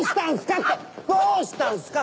どうしたんすか？